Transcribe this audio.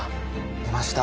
出ました